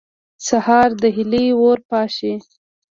سهار د هیلې ور پاشي.